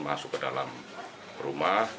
masuk ke dalam rumah